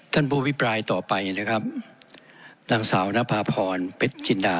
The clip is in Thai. ท่านผู้วิปรายต่อไปนะครับนางสาวนักภาพรพรภิษจินดา